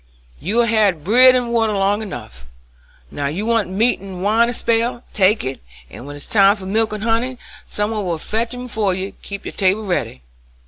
You've had bread and water long enough, now you want meat and wine a spell; take it, and when it's time for milk and honey some one will fetch 'em ef you keep your table ready.